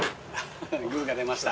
グーが出ました。